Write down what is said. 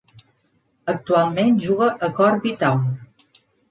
Actualment juga a Corby Town.